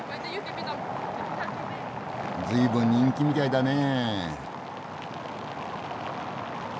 ずいぶん人気みたいだねえ。